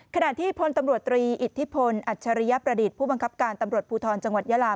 ขณะที่พลตำรวจตรีอิทธิพลอัจฉริยประดิษฐ์ผู้บังคับการตำรวจภูทรจังหวัดยาลา